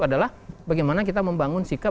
adalah bagaimana kita membangun sikap